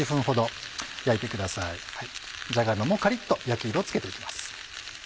じゃが芋もカリっと焼き色をつけて行きます。